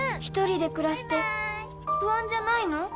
一人で暮らして不安じゃないの？